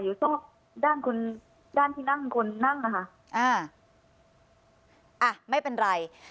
ซอกด้านคนด้านที่นั่งคนนั่งนะคะอ่าอ่ะไม่เป็นไร